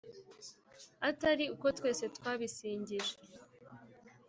Atari uko twese twabisingije